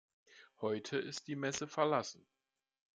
Heute ist die Messe verlassen.